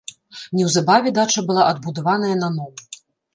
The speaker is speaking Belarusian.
Неўзабаве дача была адбудаваная наноў.